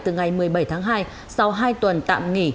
từ ngày một mươi bảy tháng hai sau hai tuần tạm nghỉ